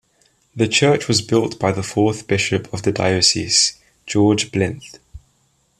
The church was built by the fourth bishop of the diocese, George Blyth.